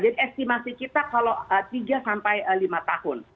jadi estimasi kita kalau tiga sampai lima tahun